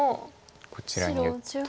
こちらに打って。